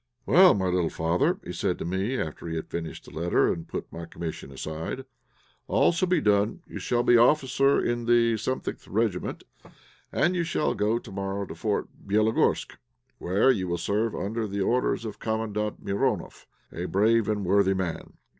"Well, my little father," said he, after he had finished the letter and put my commission aside, "all shall be done; you shall be an officer in the th Regiment, and you shall go to morrow to Fort Bélogorsk, where you will serve under the orders of Commandant Mironoff, a brave and worthy man.